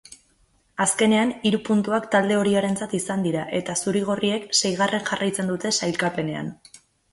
Azkenean hiru puntuak talde horiarentzat izan dira eta zuri-gorriek seigarren jarraitzen dute sailkapenean.